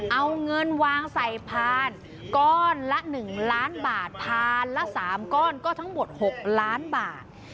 เอาเงินวางใส่พานก้อนละ๑ล้านบาทพานละ๓ก้อนก็ทั้งหมด๖ล้านบาท